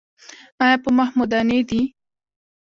ایا په مخ مو دانې دي؟